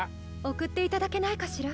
送っていただけないかしら？